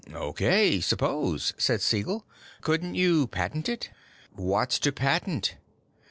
"O.K., suppose," said Siegel. "Couldn't you patent it?" "What's to patent?